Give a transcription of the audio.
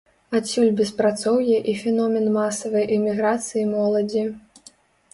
Адсюль беспрацоўе і феномен масавай эміграцыі моладзі.